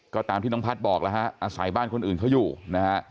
ก็ตามที่น้องพัฒน์บอกแล้วฮะอาศัยบ้านคนอื่นเขาอยู่นะฮะ